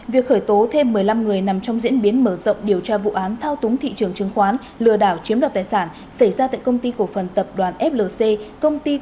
việc khởi tố thêm một mươi năm người nằm trong diễn biến mở rộng điều tra vụ án thao túng thị trường chứng khoán lừa đảo chiếm đọc tài sản xảy ra tại công ty cổ phần tập đoàn flc công ty cổ phần chứng khoán bos và các công ty liên quan